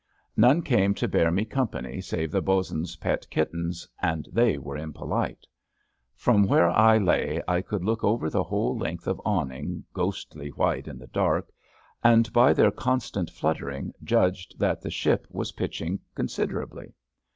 None came to bear me company save the bo 'sun's pet kittens, and they were impolite. From where I lay I could look over the whole length of awning, ghostly white in the dark, and by their constant fluttering judged that the ship was pitching considerably.